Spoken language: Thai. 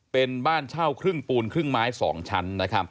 เป็นบ้านเช่าครึ่งปูนครึ่งไม้๒ชั้น